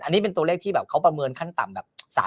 อันนี้เป็นตัวเล็กที่เขาประเมินขั้นต่ำ